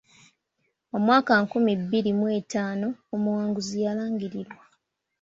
Omwaka nkumi bbiri mu etaano omuwanguzi yalangirirwa.